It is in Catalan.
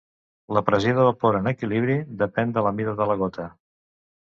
La pressió de vapor en equilibri depèn de la mida de la gota.